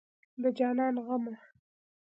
د جانان غمه